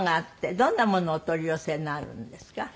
どんなものをお取り寄せになるんですか？